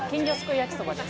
焼きそばです